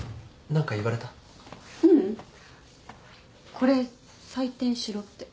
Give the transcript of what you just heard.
これ採点しろって。